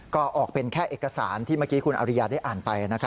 ก็ออกเป็นแค่เอกสารที่เมื่อกี้คุณอริยาได้อ่านไป